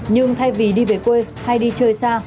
nhưng thay vì đi về quê hay đi chơi xa